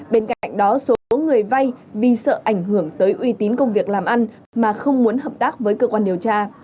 bên cạnh đó số người vay vì sợ ảnh hưởng tới uy tín công việc làm ăn mà không muốn hợp tác với cơ quan điều tra